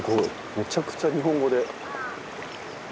めちゃくちゃ日本語で。